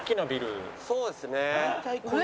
そうですね。